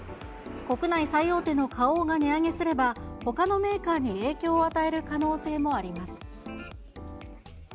国内最大手の花王が値上げすれば、ほかのメーカーに影響を与える可能性もあります。